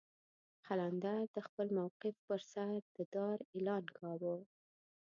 قلندر د خپل موقف پر سر د دار اعلان کاوه.